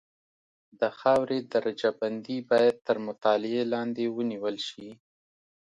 د خاورې درجه بندي باید تر مطالعې لاندې ونیول شي